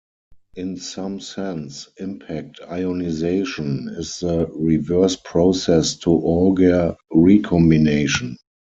In some sense, impact ionization is the reverse process to Auger recombination.